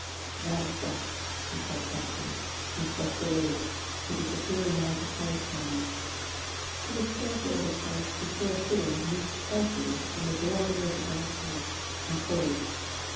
"That is that," he said huskily, and crossed the road, to disappear in one of the side turnings. He was scarcely out of sight before a figure moved stealthily from the doorway of a dark house and followed.